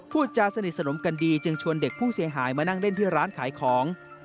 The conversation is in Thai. พูดจาสนิทสนมกันดีจึงชวนเด็กผู้เสียหายมานั่งเล่นที่ร้านขายของ